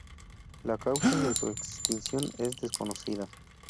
La causa de su extinción es desconocida.